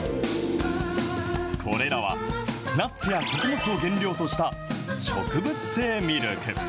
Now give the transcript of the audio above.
これらはナッツや穀物を原料とした植物性ミルク。